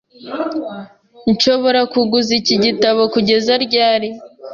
Nshobora kuguza iki gitabo kugeza ryari?